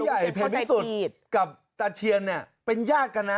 ผู้ใหญ่เพ็ญพิสุธิ์กับดาชีียันเป็นญาติกันนะ